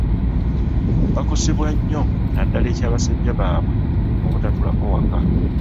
Bakosebwa nnyo naddala eky'abasajja baabwe obutatuulako waka.